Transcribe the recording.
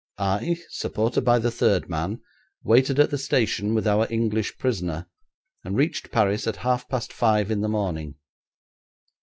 I, supported by the third man, waited at the station with our English prisoner, and reached Paris at half past five in the morning.